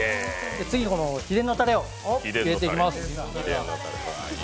次に、秘伝のたれを入れていきます。